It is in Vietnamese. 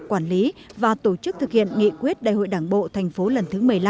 quản lý và tổ chức thực hiện nghị quyết đại hội đảng bộ thành phố lần thứ một mươi năm